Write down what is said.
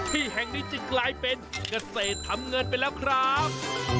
ที่แห่งนี้จึงกลายเป็นเกษตรทำเงินไปแล้วครับ